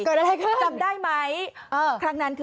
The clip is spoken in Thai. เกิดอะไรครับ